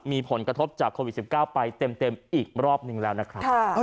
มีผลกระทบจากโควิด๑๙ไปเต็มอีกรอบนึงแล้วนะครับ